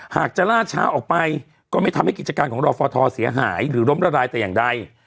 หากจะล่าช้าออกไปก็ไม่ทำให้กิจการของรอฟทเสียหายหรือล้มละลายแต่อย่างใด